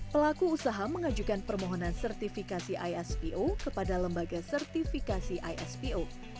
pelaku usaha mengajukan permohonan sertifikasi ispo kepada lembaga sertifikasi ispo